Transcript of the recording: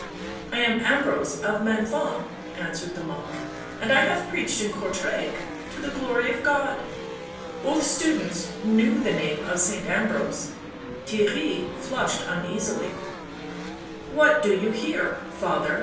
" I am Ambrose of Menthon," answered the monk. " And I have preached in Courtrai. To the glory of God." Both students knew the name of Saint Ambrose. Theirry flushed uneasily. " What do you here, father?"